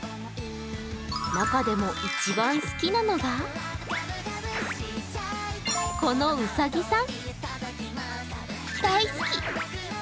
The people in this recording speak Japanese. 中でも一番好きなのがこのウサギさん。